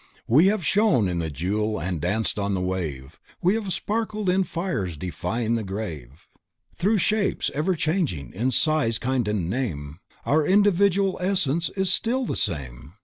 We have shone in the Jewel and danced on the Wave, We have sparkled in Fire defying the grave; Through shapes everchanging, in size, kind and name Our individual essence still is the same.